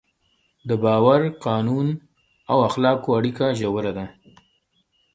د باور، قانون او اخلاقو اړیکه ژوره ده.